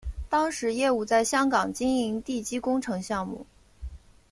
当时业务在香港经营地基工程项目。